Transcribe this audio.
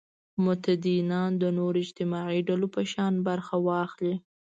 متدینان د نورو اجتماعي ډلو په شان برخه واخلي.